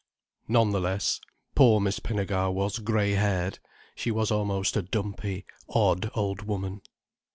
None the less, poor Miss Pinnegar was grey haired, she was almost a dumpy, odd old woman.